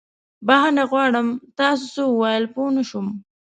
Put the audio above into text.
بښنه غواړم، تاسې څه وويل؟ پوه نه شوم.